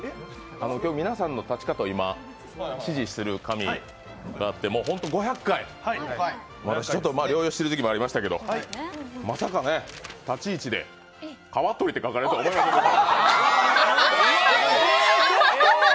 今日皆さんの立ち方を指示する紙があって本当５００回、私ちょっと療養している時期もありましたけどまさか立ち位置で、「川鳥」と書かれるとは思わなかった。